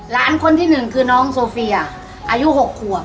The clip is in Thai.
ร้านคนที่หนึ่งคือน้องโซฟีอายุ๖ขัว